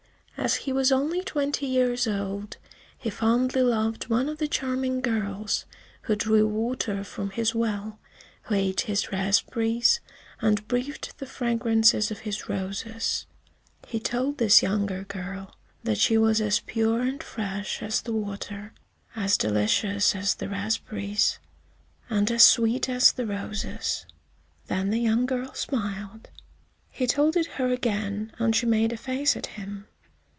As he was only twenty years old, he fondly loved one of the charming girls who drew water from his well, who ate his raspberries and breathed the fragrance of his roses. He told this younger girl that she was as pure and fresh as the water, as delicious as the raspberries and as sweet as the roses. Then the young girl smiled. He told it her again, and she made a face at him.